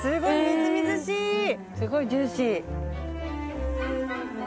すごいジューシー。